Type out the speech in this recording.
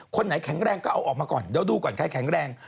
คนไหนแข็งแรงก็เอาออกมาก่อนเดี๋ยวดูก่อนใครแข็งแรง